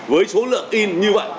với số lượng in như vậy